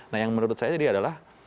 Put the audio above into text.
nah yang menurut saya jadi adalah